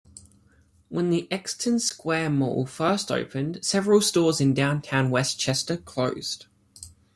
When the Exton Square Mall first opened, several stores in downtown West Chester closed.